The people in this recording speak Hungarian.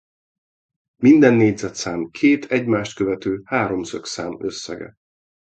Minden négyzetszám két egymást követő háromszögszám összege.